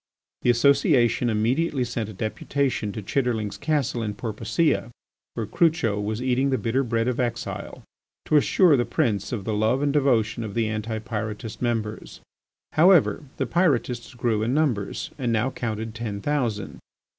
The Association immediately sent a deputation to Chitterlings Castle in Porpoisia, where Crucho was eating the bitter bread of exile, to assure the prince of the love and devotion of the Anti Pyrotist members. However, the Pyrotists grew in numbers, and now counted ten thousand.